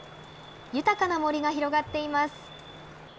豊かな森が広がっています。